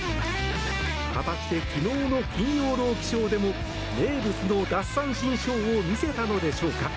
果たして、昨日の「金曜ロウキショー」でも名物の奪三振ショーを見せたのでしょうか。